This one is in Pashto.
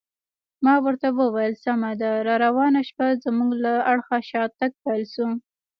ما ورته وویل: سمه ده، راروانه شپه زموږ له اړخه شاتګ پیل شو.